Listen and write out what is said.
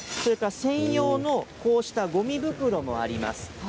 それから専用のこうしたごみ袋もあります。